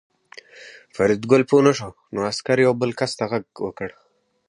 فریدګل پوه نه شو نو عسکر یو بل کس ته غږ وکړ